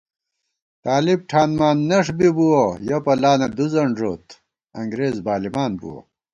طالب ٹھانمان نݭ بِبُوَہ، یَہ پَلانہ دُوزَن ݫوت انگرېز بالِمان بُوَہ